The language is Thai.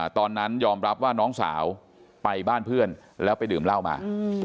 ตอนนั้นยอมรับว่าน้องสาวไปบ้านเพื่อนแล้วไปดื่มเหล้ามา